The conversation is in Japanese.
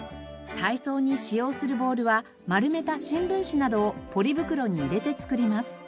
体操に使用するボールは丸めた新聞紙などをポリ袋に入れて作ります。